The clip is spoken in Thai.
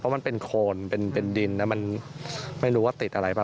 มันเป็นโคนเป็นดินนะมันไม่รู้ว่าติดอะไรป่